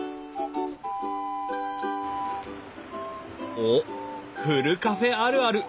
おっふるカフェあるある。